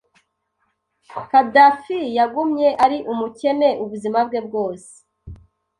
Khadafi yagumye ari umukene ubuzima bwe bwose.